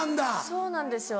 そうなんですよ。